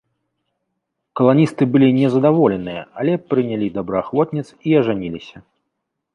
Каланісты былі не задаволеныя, але прынялі добраахвотніц і ажаніліся.